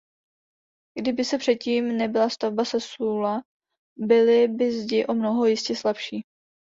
Kdyby se předtím nebyla stavba sesula, byly by zdi o mnoho jistě slabší.